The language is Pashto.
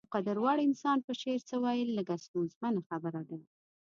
د يو قدر وړ انسان په شعر څه ويل لږه ستونزمنه خبره ده.